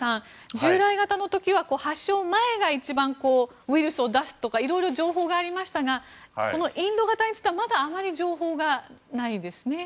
従来型のウイルスは発症前が一番ウイルスを出すとかいろいろ情報がありましたがインド型についてはまだあまり情報がないですね。